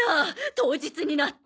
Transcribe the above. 当日になって。